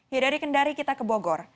ya dari kendari kita ke bogor